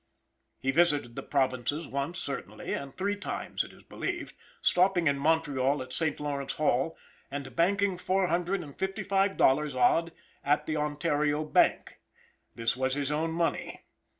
He visited the provinces once certainly, and three times it is believed, stopping in Montreal at St. Lawrence Hall, and banking four hundred and fifty five dollars odd at the Ontario bank. This was his own money.